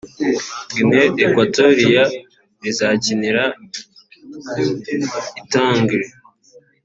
Guinée équatoriale (Rizakinira i Tangier)